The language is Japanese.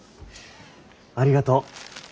ありがとう。